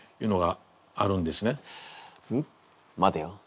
待てよ。